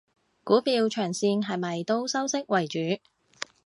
股票長線係咪都收息為主？